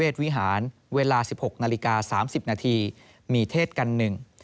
วิหารเวลา๑๖นาฬิกา๓๐นาทีมีเทศกันหนึ่ง